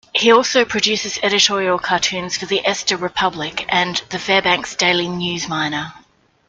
He also produces editorial cartoons for "The Ester Republic" and the "Fairbanks Daily News-Miner".